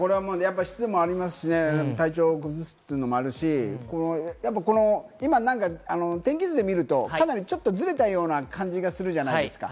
湿度もありますしね、体調崩すのもあるし、やっぱりこの今、天気図で見るとかなりずれたような感じがするじゃないですか。